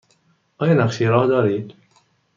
آیا نقشه راه دارید؟